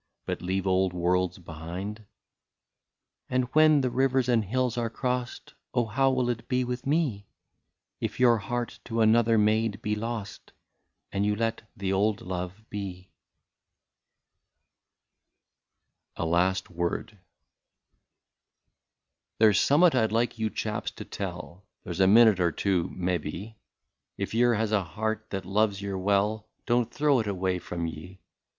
But leave old worlds behind ?" And when the rivers and hills are crost, Oh ! how, oh, how, will it be, If your heart to another maid be lost, And you think no more of me ?" 196 A LAST WORD. *^ There 's summut I 'd like you chaps to tell There 's a minute or two, mebbe — If yer has a heart that loves yer well, — Don't throw it away from ye.